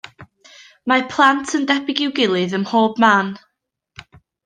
Mae plant yn debyg i'w gilydd ym mhob man.